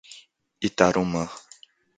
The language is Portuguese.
Itarumã